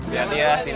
lihat dia sini